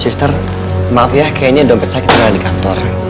sister maaf ya kayaknya dompet sakit ada di kantor